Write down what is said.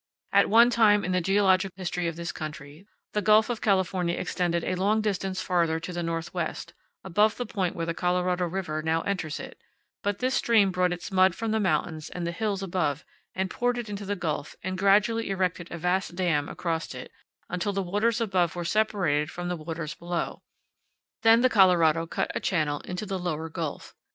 At one time in the geologic history of this country the Gulf of California extended a long distance farther to the northwest, above the point where the Colorado River now enters it; but this stream brought its mud from the mountains and the hills above and poured it into the gulf and gradually erected a vast dam across it, until the waters above were separated from the waters below; then the Colorado cut a channel into the lower gulf.